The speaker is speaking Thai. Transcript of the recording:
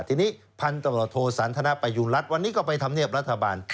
ทีนี้พันธุ์ตำรวจโทสันทนประยุณรัฐวันนี้ก็ไปทำเนียบรัฐบาล